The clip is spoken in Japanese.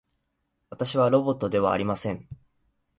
私はロボットではありません。